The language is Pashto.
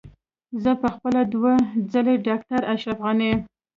زه په خپله دوه ځله ډاکټر اشرف غني.